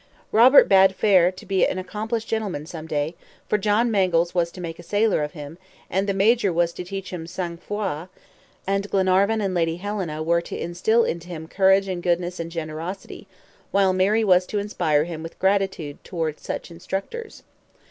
Robert bade fair to be an accomplished gentleman some day, for John Mangles was to make a sailor of him, and the Major was to teach him sang froid, and Glenarvan and Lady Helena were to instil into him courage and goodness and generosity, while Mary was to inspire him with gratitude toward such instructors.